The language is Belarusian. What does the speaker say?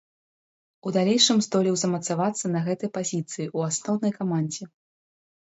У далейшым здолеў замацавацца на гэтай пазіцыі ў асноўнай камандзе.